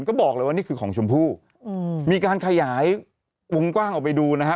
ก็บอกเลยว่านี่คือของชมพู่อืมมีการขยายวงกว้างออกไปดูนะฮะ